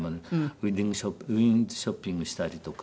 ウィンドーショッピングしたりとか。